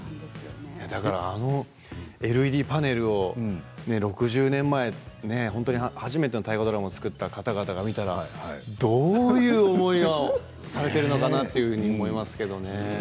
あのＬＥＤパネルを６０年前初めての大河ドラマ作った方々が見たらどういう思いをされているのかなというふうに思いますけど。